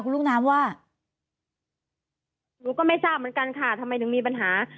ลูกน้ำว่าหนูก็ไม่ทราบเหมือนกันค่ะทำไมถึงมีปัญหา